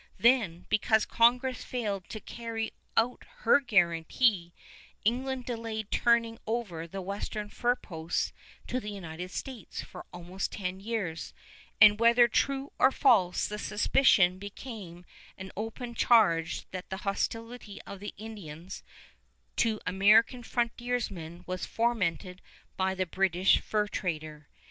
Then, because Congress failed to carry out her guarantee, England delayed turning over the western fur posts to the United States for almost ten years; and whether true or false, the suspicion became an open charge that the hostility of the Indians to American frontiersmen was fomented by the British fur trader.